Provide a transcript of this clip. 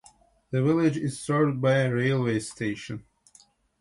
The village is served by a railway station.